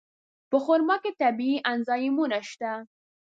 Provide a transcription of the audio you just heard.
په خرما کې طبیعي انزایمونه شته.